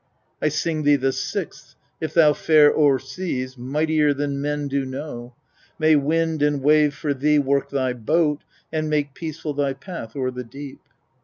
11. I sing thee the sixth : if thou fare o'er seas mightier than men do know, may wind and wa\e for thee work thy boat, and make peaceful thy path o'er the deep.